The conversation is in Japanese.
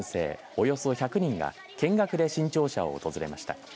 およそ１００人が見学で新庁舎を訪れました。